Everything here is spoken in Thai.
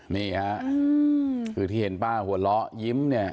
นี่ฮะคือที่เห็นป้าหัวเราะยิ้มเนี่ย